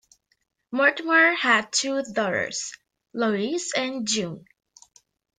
Mortimer had two daughters, Lois and June.